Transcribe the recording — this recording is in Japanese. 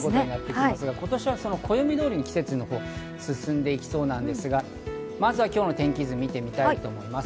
今年は暦通りに季節が進んでいきそうなんですが、まずは今日の天気図を見てみたいと思います。